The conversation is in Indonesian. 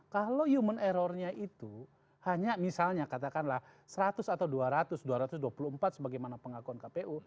kalau human errornya itu hanya misalnya katakanlah seratus atau dua ratus dua ratus dua puluh empat sebagaimana pengakuan kpu